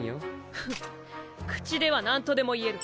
フン口ではなんとでも言える。